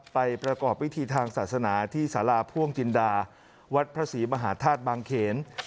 ประกอบพิธีทางศาสนาที่สาราพ่วงจินดาวัดพระศรีมหาธาตุบางเขน